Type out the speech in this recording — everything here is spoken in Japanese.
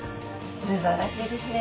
すばらしいですね。